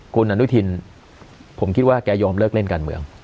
คุณอนุทินผมคิดว่าแกยอมเลิกเล่นการเมือง